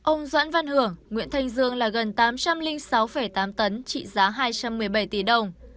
ông doãn văn hưởng nguyễn thanh dương là gần tám trăm linh sáu tám tấn trị giá hai trăm một mươi bảy tỷ đồng